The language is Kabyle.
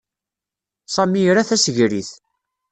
Sami ira tasegrit.